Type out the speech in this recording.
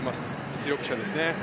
実力者ですね。